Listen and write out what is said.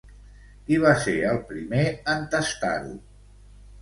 Qui va ser el primer en tastar-ho?